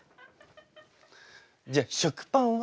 じゃあ食パンは？